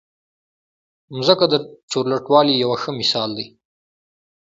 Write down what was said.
مځکه د چورلټوالي یو ښه مثال دی.